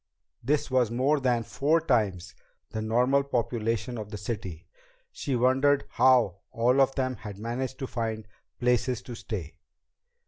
This was more than four times the normal population of the city. She wondered how all of them had managed to find places to stay.